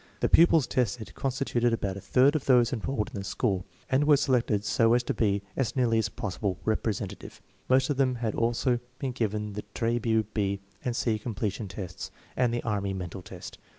The pupils tested constituted about a third of those enrolled in the school, and were selected so as to be as nearly as possible representative. Most of them had also been given the Trabue B and C Completion Tests and the Army mental test.